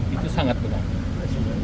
itu sangat benar